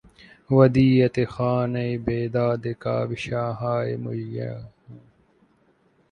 ودیعت خانۂ بیدادِ کاوشہائے مژگاں ہوں